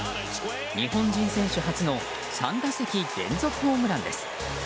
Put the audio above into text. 日本人選手初の３打席連続ホームランです。